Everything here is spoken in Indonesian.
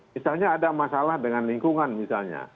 misalnya ada masalah dengan lingkungan misalnya